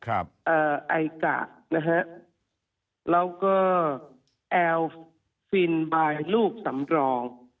ไอกะนะฮะแล้วก็แอลฟินบายลูกสำรอง